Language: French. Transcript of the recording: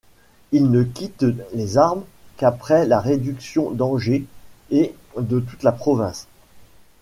Il ne quitte les armes qu'après la réduction d'Angers et de toute la province.